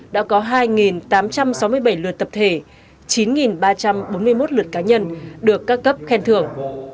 đã có hai tám trăm sáu mươi bảy lượt tập thể chín ba trăm bốn mươi một lượt cá nhân được các cấp khen thưởng